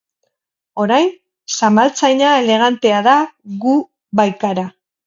Orain, zamaltzaina elegantea da gu baikara.